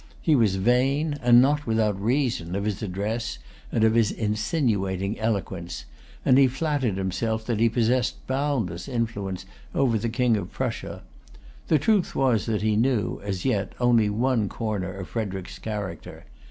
He was vain, and not without reason, of his address, and of his insinuating eloquence; and he flattered himself that he possessed boundless influence over the King of Prussia. The truth was that he knew, as yet, only one corner of Frederic's character.